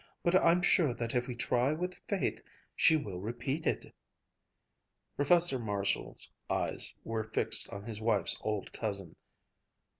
But I'm sure that if we try with faith, she will repeat it ..." Professor Marshall's eyes were fixed on his wife's old cousin.